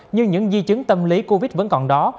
nhưng những di chứng tâm lý covid vẫn còn đó